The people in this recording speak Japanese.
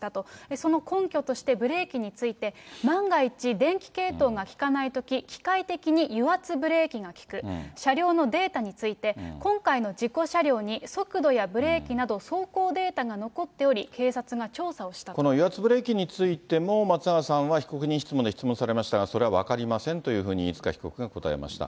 その根拠として、ブレーキについて、万が一、電気系統が利かないとき、機械的に油圧ブレーキが利く、車両のデータについて、今回の事故車両に、速度やブレーキなど、走行データが残っており、警察が調査をしたこの油圧ブレーキについても、松永さんは、被告人質問で質問されましたが、それは分かりませんというふうに飯塚被告が答えました。